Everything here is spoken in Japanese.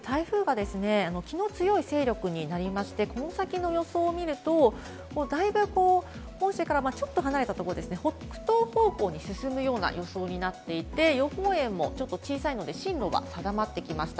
きのう強い勢力になりまして、この先の予想を見ると、だいぶ本州からちょっと離れたところですね、北東方向に進むような予想になっていて、予報円もちょっと小さいので、進路が定まってきました。